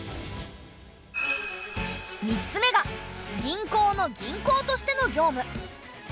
３つ目が銀行の銀行としての業務。